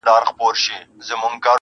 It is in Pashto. وو حاکم خو زور یې زیات تر وزیرانو-